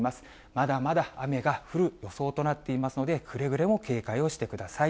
まだまだ雨が降る予想となっていますので、くれぐれも警戒をしてください。